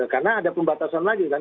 karena ada pembatasan lagi kan